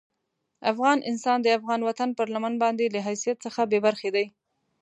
افغان انسان د افغان وطن پر لمن باندې له حیثیت څخه بې برخې دي.